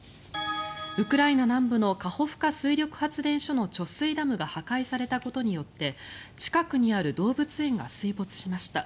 ウクライナ南部のカホフカ水力発電所の貯水ダムが破壊されたことによって近くにある動物園が水没しました。